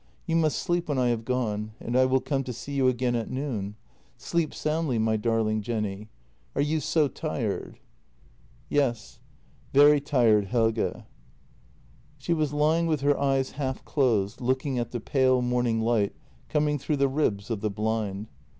You must sleep when I have gone, and I will come to see you again at noon. Sleep soundly, my darling Jenny. Are you so tired? "" Yes, very tired, Helge." She was lying with her eyes half closed, looking at the pale morning light coming through the ribs of the blind.